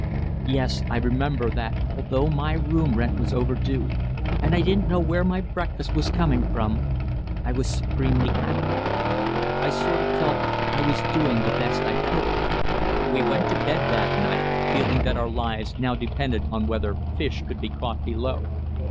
Yes, I remember that although my room rent was overdue, and I didn't know where my breakfast was coming from, I was supremely happy; I sort of felt I was doing the best I could." We went to bed that night feeling that our lives now depended on whether fish could be caught below.